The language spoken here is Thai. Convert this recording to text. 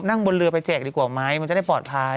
นั่งบนเรือไปแจกดีกว่าไหมมันจะได้ปลอดภัย